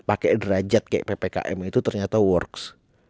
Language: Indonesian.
pakai derajat kayak ppkm itu ternyata works